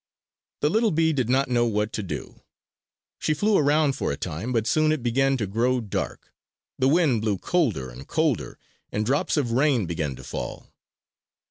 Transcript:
The little bee did not know what to do. She flew around for a time; but soon it began to grow dark; the wind blew colder and colder, and drops of rain began to fall.